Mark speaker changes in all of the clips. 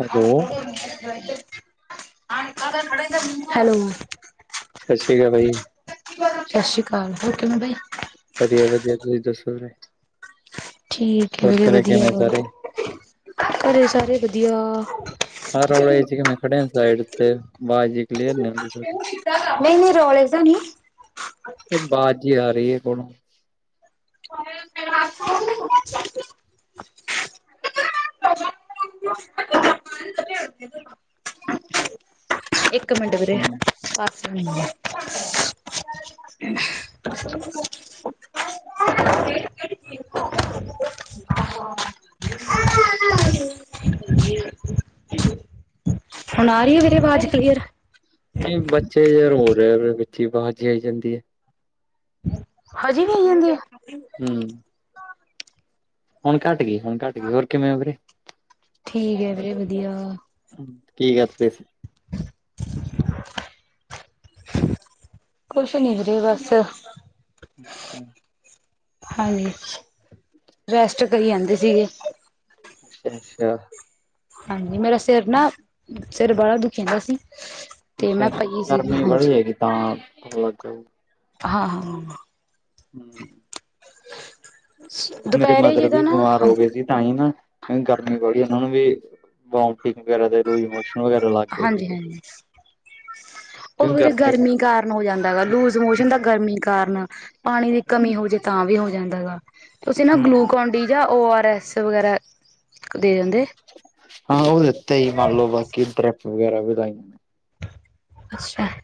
Speaker 1: Hello,
Speaker 2: hello,
Speaker 1: ਸਤਿ ਸ਼੍ਰੀ ਅਕਾਲ ਭਾਜੀ।
Speaker 2: ਸਤਿ ਸ਼੍ਰੀ ਅਕਾਲ, ਹੋਰ ਕਿਵੇਂ ਬਾਈ?
Speaker 1: ਵਧੀਆ ਵਧੀਆ ਤੁਸੀਂ ਦੱਸੋ ਫ
Speaker 2: ਠੀਕ ਵੀਰੇ ਵਧੀਆ
Speaker 1: ਕਿਵੇਂ
Speaker 2: ਵਾ
Speaker 1: ਸਾਰੇ?
Speaker 2: ਘਰੇ ਸਾਰੇ ਵਧੀਆ।
Speaker 1: ਅ ਰੌਲੇ 'ਚ ਕਿਵੇਂ ਖੜ੍ਹਿਆ ਜਾਂਦਾ [inaudible] ਇਥੇ ਆਵਾਜ਼ ਈ ਕਲੀਅਰ ਨੀ ਆਂਦੀ।
Speaker 2: ਨਹੀਂ-ਨਹੀਂ ਰੌਲੇ 'ਚ ਤਾਂ ਨੀ।
Speaker 1: ਬਾਜ਼ ਜੀ ਆ ਰਹੀ ਆ ਕੋਲੋਂ।
Speaker 2: [unintelligible] [unintelligible] ਇੱਕ ਮਿੰਟ ਵੀਰੇ
Speaker 1: ਨਹੀਂ
Speaker 2: ਪਾ ਹੁਣ ਆ ਰਹੀ ਹੈ ਮੇਰੀ ਆਵਾਜ਼ ਕਲੀਅਰ?
Speaker 1: ਜੀ, ਬੱਚੇ ਰੋ ਰਏ ਆ ਵਿੱਚੇ ਅਵਾਜ਼ ਜੀ ਆਈ ਜਾਂਦੀ ਐ।
Speaker 2: ਹਜ ਵੀ ਆਈ ਜਾਂਦੀ ਆ।
Speaker 1: ਹੂੰ। ਹੁਣ ਘਟ ਗਈ ਹੁਣ ਘੱਟ ਗਈ। ਹੋਰ ਕਿਵੇਂ ਓ ਵੀਰੇ?
Speaker 2: ਠੀਕੇ ਵੀਰੇ ਵਧੀਆ।
Speaker 1: ਕੀ ਕਰਦੇ?
Speaker 2: ਕੁਛ ਨੀ ਵੀਰੇ ਬਸ
Speaker 1: ਅੱਛਾ।
Speaker 2: ਹਾਂਜੀ ਰੈਸਟ ਕਰੀ ਜਾਂਦੇ ਸੀਗੇ।
Speaker 1: ਅੱਛਾ-ਅੱਛਾ
Speaker 2: ਹਾਂਜੀ ਮੇਰਾ ਸਿਰ ਨਾ ਸਿਰ ਵਾਲਾ ਦੁਖੀ ਆਂਦਾ ਸੀ। ਤੇ
Speaker 1: ਅੱਛਾ
Speaker 2: ਮੈਂ
Speaker 1: ਅੱਛਾ
Speaker 2: ਪਈ ਸੀਗੀ
Speaker 1: ਗਰਮੀ
Speaker 2: ਹਾਂਜੀ
Speaker 1: ਵਾਲੀ ਹੈਗੀ ਤਾਂ।
Speaker 2: ਹਾਂ ਹਾਂ ਹਾਂ
Speaker 1: ਹੂੰ।
Speaker 2: [inaudible]
Speaker 1: ਮੇਰੇ
Speaker 2: ਦੁਪਹਿਰੇ
Speaker 1: ਮਦਰ
Speaker 2: ਜੇ ਤਾਂ
Speaker 1: ਵੀ
Speaker 2: ਨਾ
Speaker 1: ਬਿਮਾਰ ਹੋ
Speaker 2: ਹਾਂਜੀ
Speaker 1: ਗਏ ਸੀ। ਤਾਂ ਹੀ ਨਾ, ਗਰਮੀ ਬੜੀ ਉਹਨਾ ਨੂੰ ਵੀ, ਵੋਮਟਿੰਗ ਵਗੈਰਾ ਤੇ ਲੂਜ਼ ਮੋਸ਼ਨ
Speaker 2: ਹਾਂਜੀ-ਹਾਂਜੀ। ਉਹ ਵੀਰੇ ਗਰਮੀ ਕਾਰਨ ਹੋ ਜਾਂਦਾ ਵਾ, ਲੂਜ ਮੋਸ਼ਨ ਦਾ ਗਰਮੀ ਕਾਰਨ। ਪਾਣੀ ਦੀ ਕਮੀ ਹੋਜੇ ਤਾਂ ਵੀ ਹੋ ਜਾਂਦਾ ਅਗਾ ਤੁਸੀਂ ਨਾ
Speaker 1: ਹਮ
Speaker 2: ਗਲੂਕੋਨ ਡੀ ਜਾਂ ਓ ਆਰ ਐਸ ਵਗੈਰਾ ਦੇ ਦਿੰਦੇ।
Speaker 1: ਹਾਂ ਉਹ ਦਿੱਤਾ ਜੀ ਮੰਨ ਲਓ ਬਾਕੀ ਡਰਿਪ ਵਗੈਰਾ ਵੀ ਲਾਈ।
Speaker 2: ਅੱਛਾ [inaudible]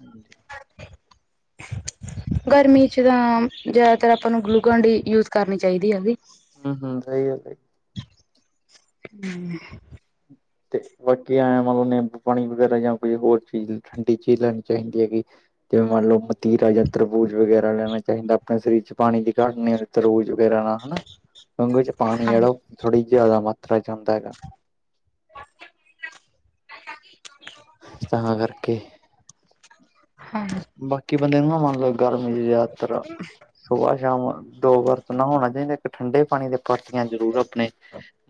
Speaker 1: ਹਾਂਜੀ [inaudible]
Speaker 2: ਗਰਮੀ 'ਚ ਤਾਂ ਜਿਆਦਾਤਰ ਆਪਾਂ ਨੂੰ ਗਲੂਕਨ ਡੀ ਯੂਜ ਕਰਨੀ ਚਾਹੀਦੀ ਹੈਗੀ।
Speaker 1: ਹੂੰ ਹੂੰ ਸਈ ਏ ਸ।
Speaker 2: ਹੂੰ।
Speaker 1: ਤੇ ਬਾਕੀ ਐ ਆ ਮਤਲਬ ਨਿੰਬੂ ਪਾਣੀ ਵਗੈਰਾ ਜਾਂ ਕੋਈ ਹੋਰ ਚੀਜ਼ ਠੰਡੀ ਚੀਜ਼ ਲੈਣੀ ਚਾਹੀਦੀ ਹੈਗੀ। ਜਿਵੇਂ ਮੰਨ ਲਓ ਮਤੀਰਾ ਜਾਂ ਤਰਬੂਜ ਵਗੈਰਾ ਲੈਣਾ ਚਾਹੀਦਾ ਆਪਣੇ ਸਰੀਰ 'ਚ ਪਾਣੀ ਦੀ ਘਾਟ ਨੀ ਹੋਏਗੀ। ਤਰਬੂਜ ਵਗੈਰਾ ਹਨਾ ਗਗੂ [unintelligible] 'ਚ ਪਾਣੀ
Speaker 2: ਹਾਂ
Speaker 1: ਜਿਹੜਾ ਉਹ ਥੋੜੀ ਜਿਆਦਾ ਮਾਤਰਾ 'ਚ ਹੁੰਦਾ ਹੈਗਾ। ਤਾਂ ਕਰਕੇ।
Speaker 2: ਹਾਂਜੀ।
Speaker 1: ਬਾਕੀ ਬੰਦੇ ਨੂੰ ਨਾ ਮੰਨ ਲਓ ਗਰਮੀ ਦੀ ਜਾਦਾਤਰ ਸੁਬਾਹ-ਸ਼ਾਮ ਦੋ ਵਾਰ। ਨਾ ਹੋਣਾ ਚਾਹੀਦਾ ਇੱਕ ਠੰਡੇ ਪਾਣੀ ਦੇ ਪਰਤੀਆਂ ਜ਼ਰੂਰ ਆਪਣੇ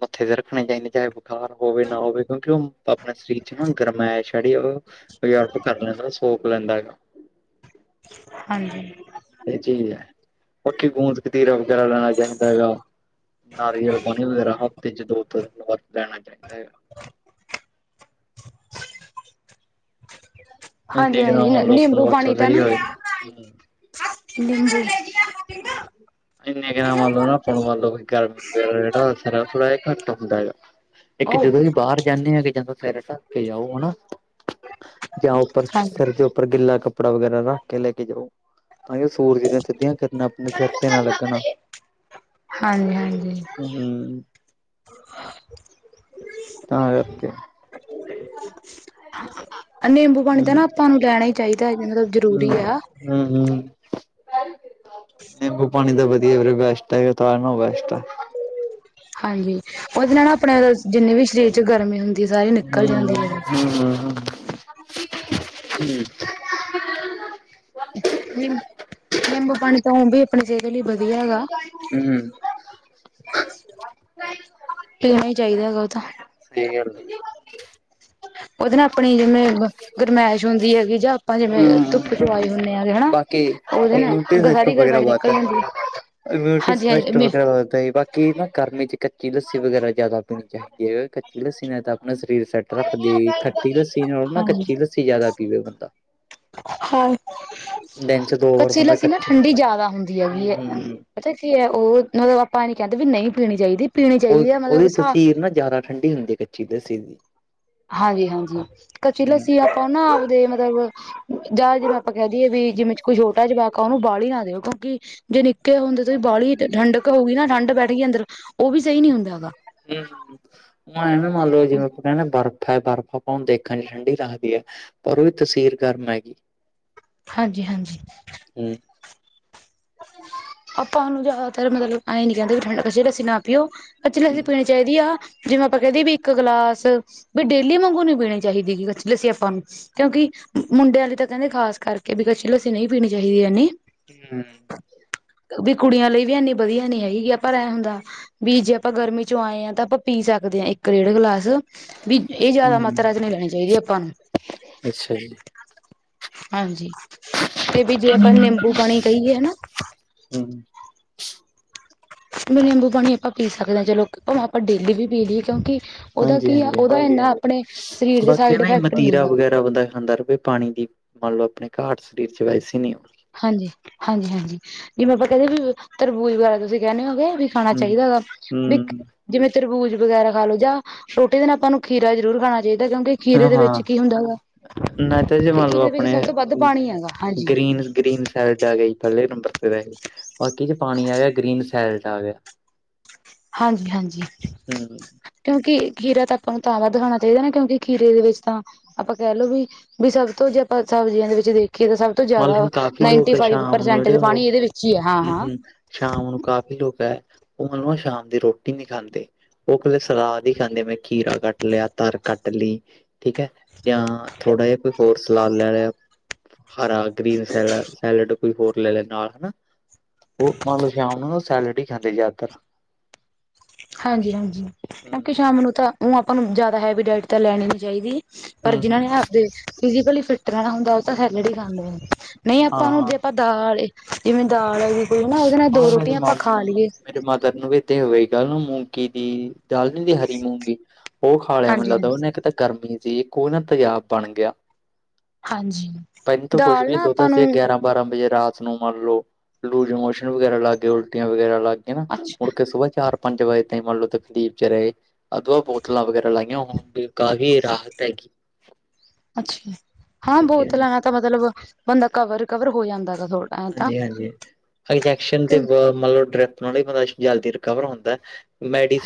Speaker 1: ਮੱਥੇ ਤੇ ਰੱਖਣੇ ਚਾਹੀਦੇ ਚਾਹੇ- ਬੁਖਾਰ ਹੋਵੇ ਨਾ ਹੋਵੇ ਕਿਉਂਕਿ ਉਹ ਆਪਣੇ ਸਰੀਰ 'ਚ ਨਾ ਗਰਮ ਏ ਛੜੀ ਉਹ ਬਰਪ [unintelligible] ਕਰ ਲੈਂਦਾ ਸੋਕ ਲੈਂਦਾ ਹੈਗਾ।
Speaker 2: ਹਾਂਜੀ।
Speaker 1: ਇਹ ਚੀਜ਼ ਹੈ, ਬਾਕੀ ਗੂੰਦ-ਕਤੀਰਾ ਵਗੈਰਾ ਲੈਣਾ ਚਾਹੀਦਾ ਹੈਗਾ। ਨਾਰੀਅਲ ਪਾਣੀ ਵਗੈਰਾ ਹਫ਼ਤੇ ਚ ਦੋ- ਤਿੰਨ ਵਾਰ ਲੈਣਾ ਚਾਹੀਦਾ ਹੈਗਾ ਇੰਨੇ
Speaker 2: ਹਾਂਜੀ-
Speaker 1: ਕੁ ਨਾਲ
Speaker 2: ਹਾਂਜੀ
Speaker 1: ਮੰਨ ਲਓ ਆਪਾਂ ਨੂੰ
Speaker 2: ਨਿੰਬੂ
Speaker 1: ਬਸ
Speaker 2: ਪਾਣੀ ਤਾਂ
Speaker 1: ਸਹੀ
Speaker 2: ਨਾ,
Speaker 1: ਹੋਏ
Speaker 2: ਨਿੰਬੂ
Speaker 1: ਇੰਨ ਕਿ ਨਾ ਮੰਨੱਲ ਨਾ ਆਪਣ ਮੰਨ ਲ ਕਰਰ ਜਿਹੜਾ ਅਸਰ ਹੈ ਥੋੜਾ ਜਿਹਾ ਘੱਟ ਹੁੰਦਾ ਹੈਗਾ, ਇੱਕ
Speaker 2: ਉਹ
Speaker 1: ਜਦੋਂ ਵੀ ਬਾਹਰ ਜਾਂਦੇ ਆਗੇ ਜਾਂ ਸਿਰ ਢੱਕ ਕੇ ਜਾਓ ਹਨਾ ਜਾਂ ਉੱਪਰ
Speaker 2: ਹਾਂ
Speaker 1: ਸਿਰ ਦੇ ਉੱਪਰ ਗਿੱਲਾ ਕੱਪੜਾ ਕੱਪੜਾ ਵਗੈਰਾ ਰੱਖ ਕੇ ਲੈ ਕੇ ਜਾਓ ਤਾਂ ਕਿ ਸੂਰਜ ਦੀਆਂ ਸਿੱਧੀਆਂ ਕਿਰਨਾ ਆਪਣੇ ਸਿਰ ਤੇ ਨਾਲ ਲੱਗਣਾ
Speaker 2: ਹਾਂਜੀ-ਹਾਂਜੀ।
Speaker 1: ਹੂੰ ਤਾਂ ਕਰਕੇ।
Speaker 2: [inaudible] ਨਿੰਬੂ ਪਾਣੀ
Speaker 1: ਹੂੰ
Speaker 2: ਤਾਂ ਨਾ ਆਪਾਂ ਨੂੰ ਲੈਣਾ ਹੀ ਚਾਹੀਦਾ ਹੈ ਜ ਮਤਲਬ ਜਰੂਰੀ ਆ
Speaker 1: ਹਮ, ਹਮ ਨਿੰਬੂ ਪਾਣੀ ਦੇ ਵਿੱਚ ਰੇ ਬੈਸਟ ਹੈ ਤਨ ਬੈਟ ਹੈ
Speaker 2: ਹਾਂਜੀ, ਉਹਦੇ ਨਾਲ ਆਪਣੇ ਜਿੰਨੇ ਵੀ ਸਰੀਰ ਚ ਗਰਮੀ ਹੁੰਦੀ ਸਾਰੀ ਨਿਕਲ
Speaker 1: ਹਮ,
Speaker 2: ਜਾਂਦੀ ਹੈ।
Speaker 1: ਹਮ ਹ ਹ ਹਮ
Speaker 2: ਨਿੰ ਨਿੰਬੂ ਪਾਣੀ ਤਾਂ ਉਹ ਵੀ ਆਪਣੀ ਸਿਹਤ ਲਈ ਵਧੀਆ ਹੈਗਾ
Speaker 1: ਹੂੰ
Speaker 2: ਹੋਣਾ ਹੀ ਚਾਹੀਦਾ ਹੈਗਾ ਉਹ ਤਾਂ
Speaker 1: ਸਹੀ ਕਹਿ ਰਹੇ ਹੋ ਤੁਸੀਂ।
Speaker 2: [unintelligible] [unintelligible] ਉਹਦੇ ਨਾਲ ਅਪਣੀ ਜਿਵੇਂ ਗਰਮਾਇਸ਼ ਹੁੰਦੀ ਹੈਗੀ ਜਾਂ ਆਪਾਂ ਜਿਵੇਂ
Speaker 1: ਹੂੰ
Speaker 2: ਧੁੱਪ ਚੋ ਆਏ ਹੁੰਦੇ ਹਾਂ। ਹੈਨਾ,
Speaker 1: ਬਾਕੀ
Speaker 2: ਉਹਦੇ ਨਾਲ ਸਾਰੀ ਗਰਮਾਈ ਨਿਕਲ ਜਾਂਦੀ ਆ।
Speaker 1: [unintelligible] [unintelligible] ਕਿ ਨਾ ਗਰਮੀ ਚ ਕੱਚੀ ਲੱਸੀ ਵਗੈਰਾ ਜ਼ਿਆਦਾ ਪੀਣੀ ਚਾਹੀਦੀ ਹੈ। ਕੱਚੀ ਲੱਸੀ ਨੇ ਤਾਂ ਸਰੀਰ ਸੈਟ ਰੱਖਦੀ, ਖੱਟੀ ਲੱਸੀ ਨਾਲੋਂ ਨਾ
Speaker 2: ਹਾਂਜੀ।
Speaker 1: ਕੱਚੀ ਲੱਸੀ ਜ਼ਿਆਦਾ ਪੀਵੇ ਬੰਦਾ।
Speaker 2: ਹਾਂ
Speaker 1: ਦਿਨ ਚ ਦੋ ਵਾਰ
Speaker 2: ਕੱਚੀ
Speaker 1: ਬੰਦਾ
Speaker 2: ਲੱਸੀ ਨਾ
Speaker 1: ਕੱਚੇ
Speaker 2: ਠੰਡੀ ਜਿਆਦਾ ਹੁੰਦੀ
Speaker 1: ਹੂੰ
Speaker 2: ਹੈਗੀ ਐ।
Speaker 1: ਹੂੰ
Speaker 2: ਪਤਾ ਕੀ ਹੈ, ਉਹ ਮਤਲਬ ਆਪਾ ਏਹ ਨੀ ਕਹਿੰਦੇ ਵੀ, ਨਹੀਂ ਪੀਣੀ ਚਾਹੀਦੀ ਪੀਣੀ
Speaker 1: ਉਹ
Speaker 2: ਚਾਹੀਦੀ ਹੈ ਮਤਲਬ
Speaker 1: ਉਹਦੀ
Speaker 2: ਸਾ
Speaker 1: ਤਸੀਰ ਨਾ ਜ਼ਿਆਦਾ ਠੰਢੀ ਹੁੰਦੀ ਹੈ ਕੱਚੀ ਲੱਸੀ ਦੀ।
Speaker 2: ਹਾਂਜੀ- ਹਾਂਜੀ, ਕਚੀ
Speaker 1: ਹੂੰ
Speaker 2: ਲਸੀ ਆਪਾਂ ਨਾ ਆਪਦੇ ਮਤਲਬ ਜਾਂ ਜਿਵੇੋਂ ਆਪਾਂ ਕਹਿ ਦਈਏ ਵੀ, ਜਿਵੇਂ ਕੋਈ ਛੋਟਾ ਜਵਾਕ ਆ, ਉਹਨੂੰ ਬਾੳਲੀ ਨਾ ਦਿਓ ਕਿਉਂਕਿ ਜੇ ਨਿੱਕੇ ਹੁੰਦੇ ਤੇ ਬਾੳਲੀ ਠੰਡਕ ਹੋਊਗੀ ਨਾ, ਠੰਢ ਬੈਠ ਗਈ ਅੰਦਰ, ਉਹ ਵੀ ਸਹੀ ਨੀ ਹੁੰਦਾ ਹੈਗਾ
Speaker 1: ਹੂੰ ਹੁਣ ਐਂ ਨਾ ਮੰਨ ਲੋ ਜਿਵੇਂ ਆਪਾਂ ਕਹਿੰਦੇ ਆ ਬਰਫ਼ ਹੈ, ਬਰਫ਼ ਆਪਾਂ ਹੁਣ ਦੇਖਣ ਚ ਠੰਢੀ ਲਗਦੀ ਹੈ ਪਰ ਉਹਦੀ ਤਸੀਰ ਗਰਮ ਹੈਗੀ।
Speaker 2: ਹਾਂਜੀ- ਹਾਂਜੀ।
Speaker 1: ਹੂੰ
Speaker 2: ਆਪਾਂ ਹੰਝ ਜ਼ਿਆਦਾਤਰ ਮਤਲਬ ਏਂਈ ਨੀ ਕਹਿੰਦੇ ਵੀ ਠੰਡ ਚ ਕੱਚੀ ਲੱਸੀ ਨਾ ਪੀਓ, ਕੱਚੀ
Speaker 1: ਹੂੰ
Speaker 2: ਲਸੀ ਪੀਣੀ ਚਾਹੀਦੀ ਆ ਜਿਵੇਂ ਆਪਾਂ ਕਹਿੰਦੇ ਵੀ ਇੱਕ ਗਲਾਸ, ਵੀ ਡੇਲੀ ਮੰਗੋ, ਨਈ ਪੀਣੀ ਚਾਹੀਦੀ ਲੱਸੀ ਆਪਾਂ ਨੂੰ। ਕਿਉਂਕਿ ਮੁੰਡੇ ਆਲੀ ਤਾਂ ਕਹਿੰਦੇ ਖਾਸ ਕਰਕੇ, ਵੀ ਕੱਚੀ ਲੱਸੀ ਨਹੀਂ ਪੀਣੀ ਚਾਹੀਦੀ ਹੈਨੀ।
Speaker 1: ਹੂੰ
Speaker 2: ਵੀ ਕੁੜੀਆਂ ਲਈ ਵੀ ਇੰਨੀ ਵਧੀਆ ਨੀ ਹੈਗੀ, ਪਰ ਐ ਹੁੰਦਾ ਵੀ ਜੇ ਆਪਾਂ ਗਰਮੀ ਚੋਂ ਆਏ ਹਾਂ ਤਾਂ ਆਪਾਂ ਪੀ ਸਕਦੇ ਹਾਂ ਇੱਕ, ਡੇਢ ਗਲਾਸ ਵੀ ਇਹ ਜਿਆਦਾ ਮਾਤਰਾ ਚ ਨਹੀਂ ਲੈਣੀ ਚਾਹੀਦੀ ਆਪਾਂ ਨੂੰ।
Speaker 1: ਅੱਛਾ ਜੀ
Speaker 2: ਹਾਂਜੀ, ਤੇ ਵੀ ਜੇ ਆਪਾਂ ਨਿੰਬੂ ਪਾਣੀ ਕਹੀਏ, ਹੈਨਾ।
Speaker 1: ਹੂੰ
Speaker 2: ਵੀ ਨਿੰਬੂ ਪਾਣੀ ਆਪਾਂ ਪੀ ਸਕਦੇ ਹਾਂ ਚਲੋ, ਉਹ ਆਪਾਂ ਡੇਲੀ ਵੀ ਪੀ ਲਈਏ ਕਿਉਂਕਿ ਉਹਦਾ
Speaker 1: ਹਾਂਜੀ
Speaker 2: ਕੀ ਆ
Speaker 1: ਹਾਂਜੀ,
Speaker 2: ਉਹਦਾ
Speaker 1: ਹਾਂਜੀ
Speaker 2: ਇੰਨਾ ਆਪਣੇ ਸਰੀਰ ਦੇ
Speaker 1: ਬਾਕੀ ਏ
Speaker 2: ਸਾਈਡ
Speaker 1: ਨਾ
Speaker 2: ਇਫੈਕਟ ਨਹੀਂ
Speaker 1: ਮਤੀਰਾ
Speaker 2: ਹੁੰਦਾ
Speaker 1: ਵਗੈਰਾ ਬੰਦਾ ਖਾਂਦਾ ਰਵੇ ਪਾਣੀ ਦੀ ਮੰਨ ਲੳ ਘਾਟ ਸਰੀਰ ਚ ਵੈਸੇ ਨੀ
Speaker 2: ਹਾਂਜੀ, ਹਾਂਜੀ ਹਾਂਜੀ ਜਿਵੇਂ ਆਪਾਂ ਕਹਿੰਦੇ ਵੀ ਤਰਬੂਜ਼ ਵਗੈਰਾ ਤੁਸੀਂ ਕਹਿਣੇ ਹੋਗੇ ਵੀ ਖਾਣਾ
Speaker 1: ਹੂੰ
Speaker 2: ਚਾਹੀਦਾ ਹੈ ਗਾ
Speaker 1: ਹੂੰ।
Speaker 2: ਜਿਵੇਂ ਤਰਬੂਜ਼ ਵਗੈਰਾ ਖਾ ਲੋ ਜਾਂ ਰੋਟੀ ਨਾਲ ਆਪਾਂ ਨੂੰ ਖੀਰਾ ਜ਼ਰੂਰ ਖਾਣਾ ਚਾਹੀਦਾ ਕਿਉਂਕਿ ਖੀਰੇ
Speaker 1: ਹਾਂ
Speaker 2: ਦੇ
Speaker 1: ਹਾਂ
Speaker 2: ਵਿੱਚ ਕੀ ਹੁੰਦਾ ਹੈਗਾ,
Speaker 1: ਨਹੀਂ ਤਾਂ ਜੇ
Speaker 2: ਕਿ
Speaker 1: ਮੰਨ
Speaker 2: ਖੀਰੇ ਦੇ ਵਿੱਚ ਸਭ ਤੋਂ ਵੱਧ ਪਾਣੀ ਹੈਗਾ। ਹਾਂਜੀ।
Speaker 1: ਏਦੇ ਚ ਗੀਨ ਸੈਲਡ ਆ ਗਈ ਪਹਿਲੇ ਨੰਬਰ ਤੇ ਵੈਸੇ, ਬਾਕੀ ਚ ਪਾਣੀ ਆ ਗਿਆ, ਗ੍ਰੀਨ ਸੈਲਡ ਆ ਗਿਆ।
Speaker 2: ਹਾਂਜੀ -ਹਾਂਜੀ।
Speaker 1: ਹੂੰ।
Speaker 2: ਕਿਉਂਕਿ ਖੀਰਾ ਤਾਂ ਆਪਾਂ ਨੂੰ ਤਾਂ ਤਾਜ਼ਾ ਖਾਣਾ ਚਾਹੀਦਾ ਨਾ, ਕਿਉਂਕਿ ਖੀਰੇ ਦੇ ਵਿੱਚ ਤਾਂ ਆਪਾਂ ਕਹ ਲੋੋ ਵੀ ਵੀ ਸਭ ਤੋਂ ਜੇ ਆਪਾਂ ਅੱਛਾ ਸਬਜ਼ੀਆਂ ਦੇ ਵਿੱਚ ਵੀ ਕਿ ਤਾਂ ਸਭ ਤੋਂ
Speaker 1: ਮੰਨ ਲਓ
Speaker 2: ਜ਼ਿਆਦਾ
Speaker 1: ਹੁਣ ਕਾਫ਼ੀ
Speaker 2: ਨਾਈਨਟੀ
Speaker 1: ਲੋਕ
Speaker 2: ਫਾਈਵ
Speaker 1: ਸ਼ਾਮ ਨੂੰ
Speaker 2: ਪਰਸੈਂਟ
Speaker 1: ਜਿਹੜੇ ਉਹ
Speaker 2: ਪਾਣੀ ਇਹਦੇ ਵਿੱਚ ਹੀ ਹੈ। ਹਾਂ
Speaker 1: ਹੂੰ
Speaker 2: ਹਾਂ।
Speaker 1: ਹੂੰ ਸ਼ਾਮ ਨੂੰ, ਕਾਫ਼ੀ ਲੋਕ ਹੈ, ਉਹ ਨਾ ਸ਼ਾਮ ਦੀ ਰੋਟੀ ਨਹੀਂ ਖਾਂਦੇ। ਉਹ ਕਲੇ ਸਲਾਦ ਖਾਂਦੇ, ਬਈ ਖੀਰਾ ਕੱਟ ਲਿਆ, ਤਰ ਕੱਟ ਲਈ, ਠੀਕ ਹੈ ਜਾਂ ਥੋੜਾ ਜਿਹਾ ਕੋਈ ਹੋਰ ਲਾ ਲੈਣ ਹਰਾ ਗ੍ਰੀਨ ਸੈਲ ਸੈਲਡ ਕੋਈ ਹੋਰ ਲੇ ਲੈ ਨਾਲ ਨਾ ਉਹ ਆਮ ਲਓ ਸ਼ਾਮ ਨੂੰ ਸੈਲਡ ਹੀ ਖਾਂਦੇ ਜ਼ਿਆਦਾਤਰ।
Speaker 2: ਹਾਂਜੀ ਹਾਂਜੀ, ਕਿਉਂਕਿ
Speaker 1: ਹੂੰ
Speaker 2: ਸ਼ਾਮ ਨੂੰ ਤਾਂ ਉਹ ਆਪਾਂ ਨੂੰ, ਜ਼ਿਆਦਾ ਹੈਵੀ ਡਾਇਟ ਤਾਂ ਲੈਣੀ ਨੀ ਚਾਹੀਦੀ। ਪਰ ਜਿਹਨਾਂ
Speaker 1: ਹੂੰ
Speaker 2: ਨੇ ਫਿਜ਼ਕਲੀ ਫਿਟ ਰਹਿਣਾ ਹੁੰਦਾ ਉਹ ਤਾਂ ਸੈਲਡ ਹੀ ਖਾਂਦੇ ਆ। ਨਹੀਂ
Speaker 1: ਹਾਂ
Speaker 2: ਆਪਾਂ ਨੂੰ,
Speaker 1: ਹਾਂ
Speaker 2: ਜੇ ਆਪਾਂ ਦਾਲ ਜਿਵੇਂ ਦਾਲ ਹੈਗੀ ਕੋਈ ਨਾ, ਉਹਦੇ ਨਾਲ ਦੋ ਰੋਟੀਆਂ ਆਪਾਂ ਖਾ ਲਈਏ
Speaker 1: ਫੇਰ ਮਦਰ ਨੂੰ ਵੀ ਤੇ ਹੋਏਗਾ ਨਾ ਕੀ ਮੂੰਗੀ ਦੀ ਦਾਲ ਨੀ ਹੁੰਦੀ ਹਰੀ ਮੂੰਗੀ, ਉਹ ਖਾ ਲਿਆ ਮੈਨੂੰ ਲਗਦਾ ਉਹਨੇ,
Speaker 2: ਹਾਂਜੀ-ਹਾਂਜੀ-ਹਾਂਜੀ
Speaker 1: ਕਿਤੇ ਗਰਮੀ ਜਿਹੀ। ਕੋ ਨਾ ਤੇਜਾਬ ਬਣ ਗਿਆ, ਤਾਹੀਂ ਤੇ ਕੁਛ
Speaker 2: ਦਾਲ
Speaker 1: ਵੀ
Speaker 2: ਨਾ
Speaker 1: ਦੋ
Speaker 2: ਆਪਾਂ
Speaker 1: ਦਸ ਦੋ
Speaker 2: ਨੂੰ
Speaker 1: ਗਿਆਰਾਂ ਬਾਰਾਂ ਬਜੇ ਰਾਤ ਨੂੰ ਮੰਨ ਲਓ। ਲੂਜ ਮੋਸ਼ਨ ਵਗੈਰਾ ਲੱਗ ਗਏ, ਉਲਟੀਆਂ ਵਗੈਰਾ ਲੱਗ ਗਈਆਂ ਨਾ। ਹੁਣ ਕਈ ਸੁਬਾਹ ਚਾਰ ਪੰਜ ਵਜੇ ਤੋਂ ਹੀ ਮੰਨ ਲਓ ਤਖਲੀਫ ਚ ਰਹੇ। ਅੱਗੇਓ ਬੋਤਲਾਂ ਵਗੈਰਾ ਲਾਈਆਂ ਹੁਣ ਦੀ ਕਾਫ਼ੀ ਰਾਹਤ ਹੈਗੀ।
Speaker 2: ਅੱਛਾ, ਹਾਂ
Speaker 1: ਹਾਂਜੀ ਹਾਂਜੀ
Speaker 2: ਬੋਤਲਾਂ ਦਾ ਤਾਂ ਮਤਲਬ ਬੰਦਾ ਕਵਰ ਰਿਕਵਰ ਹੋ ਜਾਂਦਾ ਹੈਗਾ ਥੋੜ
Speaker 1: ਹਾਂਜੀ ਹਾਂਜੀ ਇੰਜੈਕਸ਼ਨ ਤੇ ਬਹੁਤ ਮਤਲਬ ਡਰਿਪ ਨਾਲੋ ਵੀ ਬੰਦਾ ਇਸ ਚ ਜਲਦੀ ਰਿਕਵਰ ਹੁੰਦਾ ਐ।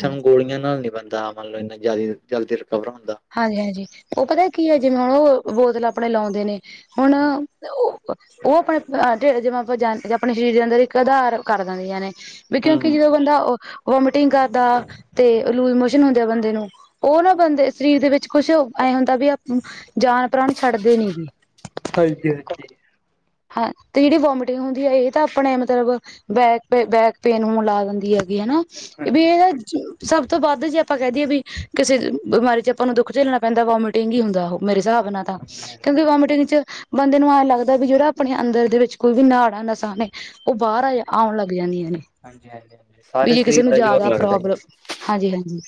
Speaker 2: ਹਾਂਜੀ
Speaker 1: ਗੋਲੀਆਂ ਨਾਲ ਨੀ ਬਨਦਾ ਮਨ ਲਓ ਇਹਨਾ ਜਲ, ਜਲਦੀ ਰਿਕਵਰ ਹੁੰਦਾ।
Speaker 2: ਹਾਂਜੀ ਹਾਂਜੀ ਉਹ ਪਤਾ ਕੀ ਹੈ, ਜਿਵੇਂ ਓਹ ਬੋਤਲ ਆਪਣੇ ਲਾਉਂਦੇ ਨੇਂ। ਹੁਣ ਓਹ ਆਪਣੇ ਜੀਵੇ ਆਪਣੀਆਂ ਚੀਜ਼ਾਂ ਦਾ ਇੱਕ ਅਧਾਰ ਕਰ ਦਿੰਦੀਆਂ ਨੇਂ। ਬਈ ਕਿਉਂਕਿ
Speaker 1: ਹੂੰ,
Speaker 2: ਜਿਵੇਂ ਬੰਦਾ ਉਹ ਵੋਮਟਿੰਗ ਕਰਦਾ, ਤੇ ਲੂਜ਼ ਮੋਸ਼ਨ ਹੁੰਦੇ ਏ ਬੰਦੇ ਨੂੰ ਉਹ ਨਾ ਬੰਦੇ ਸ਼ਰੀਰ ਦੇ ਵਿੱਚ ਕੁਛ ਐਂ ਹੁੰਦਾ ਬਈ ਅਪ ਜਾਨ ਪ੍ਰਾਣ ਛੱਡਦੇ ਨੀ ਹੀਂ।
Speaker 1: ਹਾਂਜੀ ਹਾਂਜੀ।
Speaker 2: ਹਾਂ ਤੇ ਜਿਹੜੀ ਵੋਮਟਿੰਗ ਹੁੰਦੀ ਹੈ, ਇਹ ਤਾਂ ਆਪਣੇ ਮਤਲਬ ਬੈਕ ਤੇ ਬੈਕ ਪੈਨ ਹੋਨ ਲਾ ਦਿੰਦੀ ਹੈਗੀ, ਹੈਨਾ! ਬਈ
Speaker 1: ਹਾਂਜੀ।
Speaker 2: ਇਹਦਾ ਚ ਸਭ ਤੋ ਵੱਧ ਜੇ ਆਪਾਂ ਕਹਿ ਦਈਏ ਬਈ ਕਿਸੇ ਬਿਮਾਰੀ ਚ ਆਪਾਂ ਨੂੰ ਦੁੱਖ ਝੇਲਨਾ ਪੈਂਦਾ ਵੋਮਿਟ ਟਿੰਗ ਹੀ ਹੁੰਦਾ ਉਹ ਮੇਰੇ ਹਿਸਾਬ ਨਾਲ਼ ਤਾਂ,
Speaker 1: ਹਾਂਜੀ-ਹਾਂਜੀ,
Speaker 2: ਕਿਉਂਕਿ ਵੋਮਿਟਿੰਗ ਚ ਬੰਦੇ ਨੂੰ ਐਂ ਲੱਗਦਾ ਬਈ ਜਿਹੜਾ ਆਪਣੇ ਅੰਦਰ ਦੇ ਵਿੱਚ ਕੋਈ ਵੀ ਨਾਹੜਾ ਨਸਾਂ ਨੇਂ। ਉਹ ਬਾਹਰ ਆਓ, ਆਉਣ ਲੱਗ ਜਾਂਦੀਆਂ ਨੇਂ।
Speaker 1: ਹਾਂਜੀ-ਹਾਂਜੀ-ਹਾਂਜੀ,
Speaker 2: ਬਈ
Speaker 1: ਸਾਰੇ
Speaker 2: ਜੇ ਕਿਸੇ
Speaker 1: ਸਰੀਰ
Speaker 2: ਨੂੰ
Speaker 1: ਦਾ ਜ਼ੋਰ
Speaker 2: ਜਿਆਦਾ
Speaker 1: ਲੱਗਦਾ ਜੀ।
Speaker 2: ਪ੍ਰੋਬਲਮ, ਹਾਂਜੀ ਹਾਂਜੀ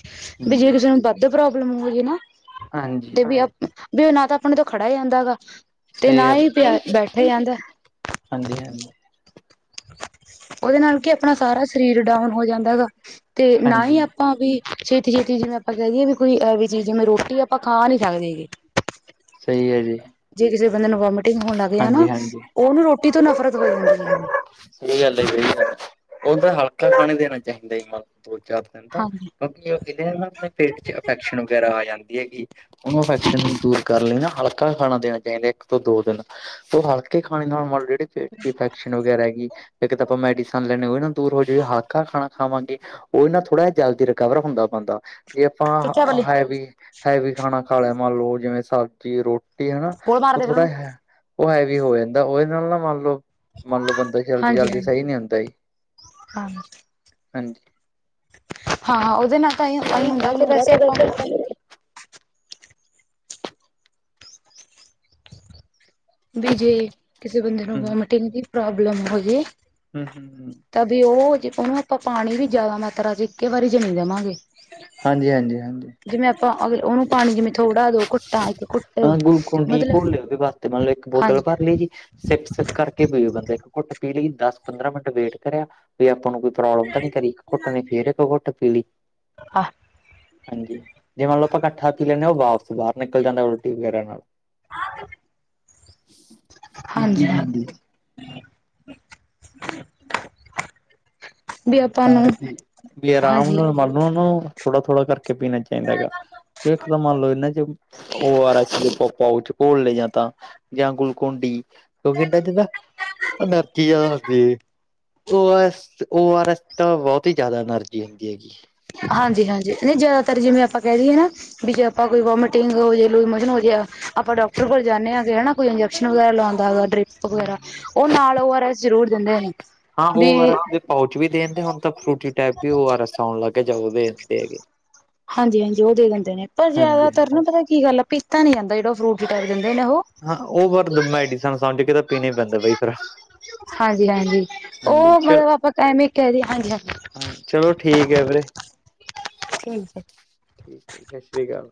Speaker 2: ਬਈ ਜੇ
Speaker 1: ਹਾਂਜੀ,
Speaker 2: ਕਿਸੇ ਨੂੰ ਦਾ ਪ੍ਰੋਬਲਮ ਹੋ ਗਈ ਏ ਨਾ, ਤੇ
Speaker 1: ਹਾਂਜੀ,
Speaker 2: ਬਈ ਅਪ, ਬਈ ਨਾ ਤਾਂ ਆਪਣੇ ਤੋਂ ਖੜਿਆ ਜਾਂਦਾ ਹੈਗਾ। ਤੇ
Speaker 1: ਸਹੀ
Speaker 2: ਨਾ ਹੀ ਪਿਆ, ਬੈਠਿਆ ਜਾਂਦਾ ਐ।
Speaker 1: ਹਾਂਜੀ ਹਾਂਜੀ।
Speaker 2: ਉਹਦੇ ਨਾਲ ਕੀ ਆਪਣਾ ਸਾਰਾ ਸ਼ਰੀਰ ਡਾਊਨ ਹੋ ਜਾਂਦਾ ਹੈਗਾ, ਤੇ ਨਾ ਹੀ
Speaker 1: ਹਾਂਜੀ।
Speaker 2: ਆਪਾਂ ਵੀ ਛੇਤੀ ਛੇਤੀ ਜਿਵੇਂ ਆਪਾਂ ਕਹਿ ਦਈਏ ਵਈ ਕੋਈ ਹੈਵੀ ਚੀਜ, ਜਿਵੇਂ ਰੋਟੀ ਆਪਾਂ ਖਾ ਨਹੀਂ ਸਕਦੇ ਹੀਗੇ।
Speaker 1: ਸਹੀ ਹੈ ਜੀ।
Speaker 2: ਜੇ ਕਿਸੇ ਬੰਦੇ ਨੂੰ ਵੋਮੀਟਿੰਗ ਹੋਣ ਲੱਗਿਆ ਨਾਂ,
Speaker 1: ਹਾਂਜੀ-ਹਾਂਜੀ।
Speaker 2: ਉਹਨੂੰ ਰੋਟੀ ਤੋ ਨਫ਼ਰਤ ਹੋ ਜਾਂਦੀ ਹੈਗੀ।
Speaker 1: ਸਹੀ ਗੱਲ ਹੈ, ਸਹੀ ਗੱਲ ਹੈ ਉਹਨੂੰ ਤਾਂ ਹਲਕਾ ਹੀ ਖਾਣਾ ਦੇਨਾ ਚਾਹੀਦਾ ਜੀ ਮਤਲਨ ਦੋ ਚਾਰ ਦਿੰਨ ਤਕ,
Speaker 2: ਹਾਂਜੀ
Speaker 1: ਬਾਕੀ ਓਹ ਦਿੰਨੇ ਨਾ ਆਪਣੇ ਪੇਟ ਚ ਇਫੈਕਸ਼ਨ ਵਗੈਰਾ ਆ ਜਾਂਦੀ ਹੈਗੀ। ਉਹਨੂੰ ਇਨਫੈਕਸ਼ਨ ਨੂੰ ਦੂਰ ਕਰਨ ਲਈ ਨਾ ਹਲਕਾ ਜਿਹਾ ਖਾਣਾ ਦੇਣਾ ਚਾਹੀਦਾ, ਇੱਕ ਤੋਂ ਦੋ ਦਿਨ। ਫੇਰ ਹਲਕੇ ਖਾਣੇ ਨਾਲ ਮਨ ਲਓ ਜਿਹੜੀ ਪੇਟ ਦੀ ਇਫੈਕਸ਼ਨ ਵਗੈਰਾ ਹੈਗੀ। ਜੇ ਕਿਤੇ ਆਪਾ ਮੈਡੀਸਨ ਲੈਣੇਆ ਓਹ ਵੀ ਨਾ ਦੂਰ ਹੋ ਜਵੇ, ਹੱਥ ਕਾ ਖਾਣਾ ਖਾਵਾਂਗੇ। ਉਹਦੇ ਨਾਲ ਥੋੜਾ ਜਲਦੀ ਰਿਕਵਰ ਹੁੰਦਾ ਐ ਬੰਦਾ। ਜੇ ਆਪਾਂ
Speaker 2: ਚੁੱਚਾ
Speaker 1: ਹ,
Speaker 2: ਬੱਲੀ
Speaker 1: ਹੈਵੀ ਹੈਵੀ ਖਾਣਾ ਖਾ ਲਿਆ ਮੰਨ ਲਓ ਜਿਵੇਂ ਸਬਜੀ ਰੋ ਟੀ ਹਨਾ,
Speaker 2: ਬੋਲ
Speaker 1: ਉਹ
Speaker 2: ਮਾਰਦੇ ਫਿਰ
Speaker 1: ਥੋੜਾ
Speaker 2: ਉਹਨੂੰ
Speaker 1: ਹੈ, ਉਹ ਹੈਵੀ ਹੋ ਜਾਂਦਾ ਏ, ਉਹਦੇ ਨਾਲ ਨਾ ਮੰਨ ਲੋਓ ਮੰਨ ਲਓ ਬੰਦੇ
Speaker 2: ਹਾਂਜੀ
Speaker 1: ਜਲਦੀ-ਜਲਦੀ ਸਹੀ ਨੀ ਹੁੰਦੇ ਜੀ,
Speaker 2: ਹਾਂਜੀ ਹਾਂ
Speaker 1: ਹਾਂਜੀ।
Speaker 2: ਹਾਂ ਉਹਦੇ ਨਾਲ ਤਾਂ ਆਹੀ ਹੁੰਦਾ ਤੇ ਵੈਸੇ ਆਪਾਂ
Speaker 1: [unintelligible]
Speaker 2: ਬਈ ਜੇ ਕਿਸੇ ਬੰਦੇ ਨੂੰ
Speaker 1: ਹਮ
Speaker 2: ਵੋਮਿਟਿੰਗ ਦੀ ਪ੍ਰੋਬਲਮ ਹੋਜੇ।
Speaker 1: [unintelligible]
Speaker 2: ਤਬ ਹੀ ਓਹ ਜੈ ਓਹਨੂੰ ਅਪਾ ਪਾਣੀ ਵੀ ਜਿਆਦਾ ਮਾਤਰਾ ਚ ਇੱਕੇ ਵਾਰੀ ਵਿਚ ਹੀ ਨਾ ਦੇਵਾਂਗੇ।
Speaker 1: ਹਾਂਜੀ-ਹਾਂਜੀ-ਹਾਂਜੀ।
Speaker 2: ਜਿਵੇਂ ਆਪਾਂ ਅਗਲੇ, ਉਹਨੂੰ ਪਾਣੀ ਜਿਵੇਂ ਥੋੜ੍ਹਾ ਦੋ ਘੁੱਟ ਇੱਕ ਘੁੱਟ।
Speaker 1: [unintelligible]
Speaker 2: ਮਤਲਬ
Speaker 1: ਦੇ ਵਾਸਤੇ ਮਾਣ ਲੋ ਇੱਕ ਬੋਤਲ
Speaker 2: ਹਾਂਜੀ
Speaker 1: ਭਰ ਲਈ ਜੀ। ਸਿੱਪ ਸਿੱਪ ਕਰਕੇ ਪੀ ਬੰਦੇ ਨੂੰ, ਇੱਕ ਘੁੱਟ ਪੀ ਲਈ ਦਸ ਪੰਦਰਾਂ ਮਿੰਟ ਵੇਟ ਕਰਿਆ। ਵਈ ਆਪਾਂ ਨੂੰ ਕੋਈ ਪ੍ਰੋਬਲਮ ਤਾਂ ਨਹੀਂ ਕਰੀ ਇਕ ਘੁੱਟ ਨੇ, ਫੇਰ ਇੱਕ ਘੁੱਟ ਪੀ ਲਈ।
Speaker 2: ਹ
Speaker 1: ਹਾਂਜੀ ਜੇ ਮੰਨ ਲਓ ਆਪਾਂ ਇਕੱਠਾ ਪੀ ਲੈਂਨੇਂ ਆਂ ਉਹ ਵਾਪਿਸ ਬਾਹਰ ਨਿਕਲ ਜਾਂਦਾ ਰੋਟੀ ਵਗੈਰਾ ਨਾਲ। ਇਹ
Speaker 2: ਹਾਂਜੀ।
Speaker 1: ਚੀਜ਼ ਹੁੰਦੀ
Speaker 2: [inaudible] ਬਈ ਆਪਾਂ ਨੂੰ ਹਾਂਜੀ।
Speaker 1: ਉਹ ਨੂੰ ਥੋੜਾ ਥੋੜਾ ਕਰਕੇ ਪੀਣਾ ਚਾਹੀਦਾ ਹੈਗਾ। ਕਿ ਇੱਕ ਤਾਂ ਮੰਨ ਲਓ ਇਹਨਾਂ ਚ ਉ ਆਰ ਐਸ ਦੇ ਪਾਉਚ ਘੋਲ ਲਏ ਜਾਂ ਤਾਂ ਜਾਂ ਗੁਲ [unintelligible] ਕਿਉੰਕਿ ਇਹਨਾ ਚ ਨਾ ਐਨਰਜੀ ਜਿਆਦਾ ਹੁੰਦੀ, O R S. O R S ਤਾਂ ਬਹੁਤ ਹੀ ਜ਼ਿਆਦਾ ਐਨਰਜੀ ਹੁੰਦੀ ਹੈਗੀ।
Speaker 2: ਹਾਂਜੀ ਹਾਂਜੀ ਨਹੀਂ ਜਿਆਦਾਤਰ ਜਿਵੇਂ ਆਪਾਂ ਕਹਿ ਦਈਏ ਨਾ ਵੀ ਜੇ ਆਪਾਂ ਕੋਈ ਵੋਮੀਟਿੰਗ ਹੋ ਜੇ ਲੂਜਮੋਸਨ ਹੋ ਗਿਆ, ਆਪਾਂ ਡਾਕਟਰ ਕੋਲ ਜਾਂਨੇ ਹੈਗੇ ਆ ਨਾ ਕੋਈ ਇੰਜੈਕਸ਼ਨ ਵਗੈਰਾ ਲਾਵਾਂਦਾ ਹੈਗਾ ਡਰਿਪ ਵਗੈਰਾ ਉਹ ਨਾਲ ਉ ਆਰ ਐਸ ਜ਼ਰੂਰ ਦਿੰਦੇ ਹੈਗੇ
Speaker 1: ਹਾਂ ਓ ਆਰ
Speaker 2: ਬੀ
Speaker 1: ਐਸ ਦੇ ਪਾਊਚ ਵੀ ਦੇ ਦੇਂਦੇ ਹੁਣ ਤਾਂ ਫਰੂਟੀ ਟਾਈਪ ਵੀ ਉ ਆਰ ਐਸ ਆਉਣ ਲੱਗ ਗਿਆ ਜਾ ਓਹ ਦੇ ਦੇਂਦੇ ਹੈਗੇ।
Speaker 2: ਹਾਂਜੀ ਹਾਂਜੀ ਉਹ ਦੇ ਦਿੰਦੇ ਨੇ ਪਰ
Speaker 1: ਹਾਂਜੀ
Speaker 2: ਜ਼ਿਆਦਾਤਰ
Speaker 1: ਹਾਂਜੀ।
Speaker 2: ਨਾ ਪਤਾ ਕੀ ਗੱਲ ਆ ਪੀਤਾ ਨੀ ਜਾਂਦਾ ਜੇੜਾ ਫਰੂਟ [unintelligible] ਕਰ ਦਿੰਦੇ ਨੇ ਉਹ।
Speaker 1: ਹਾਂ ਉਹ ਪਰ ਮੈਡੀਸਨ ਸਮਝ ਕੇ ਤਾਂ ਪੀਣਾ ਈ ਪੈਂਦਾ ਦਵਾਈ ਤਰਹ।
Speaker 2: ਹਾਂਜੀ ਹਾਂਜੀ ਉਹ ਮਤਲਬ ਆਪਾਂ ਐਵੇਂ ਕਹਿ ਦੀਏ ਹਾਂਜੀ ਹਾਂਜੀ।
Speaker 1: ਚਲੋ। ਚਲੋ ਠੀਕ ਹੈ ਵੀਰੇ।
Speaker 2: ਠੀਕ ਹੈ।
Speaker 1: ਸਤਿ ਸ੍ਰੀ ਅਕਾਲ।